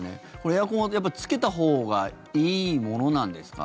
エアコンはつけたほうがいいものなんですか？